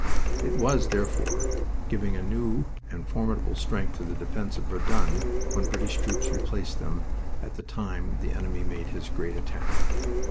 It was, therefore, giving a new and formidable strength to the defense of Verdun when British troops replaced them at the time the enemy made his great attack.